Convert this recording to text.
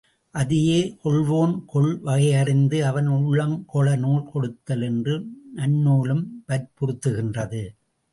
அதையே கொள்வோன் கொள் வகையறிந்து அவன் உளங்கொள நூல் கொடுத்தல் என்று நன்னூலும் வற்புறுத்துகின்றது.